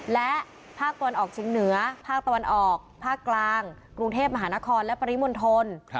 และภาคตะวันออกชิงเหนือภาคตะวันออกภาคกลางกรุงเทพมหานครและปริมณฑล